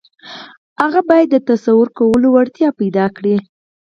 هغه بايد د تصور کولو وړتيا پيدا کړي.